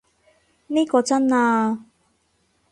呢個真啊